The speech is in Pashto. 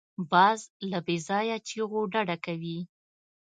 باز له بېځایه چیغو ډډه کوي